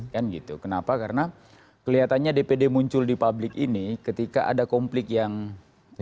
kan gitu kenapa karena kelihatannya dpd muncul di publik ini ketika ada konflik yang terjadi